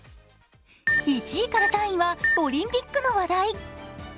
１位から３位はオリンピックの話題。